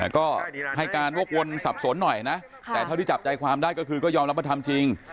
ก็ให้การวกวนสับสนหน่อยนะแต่เท่าที่จับใจความได้ก็คือก็ยอมรับว่าทำจริง